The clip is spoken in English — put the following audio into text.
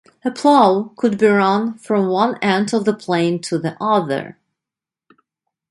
A plough could be run from one end of the plane to the other.